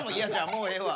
もうええわ。